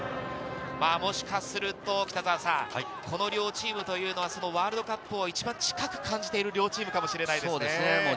もしかするとこの両チームというのはワールドカップを一番近く感じている両チームかもしれないですね。